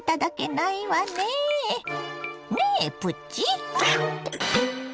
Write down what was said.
ねえプチ。